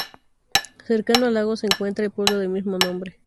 Cercano al lago se encuentra el pueblo del mismo nombre.